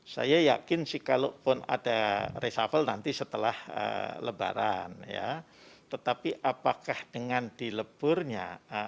saya yakin sih kalau pun ada resafel nanti setelah lebaran ya tetapi apakah dengan dileburnya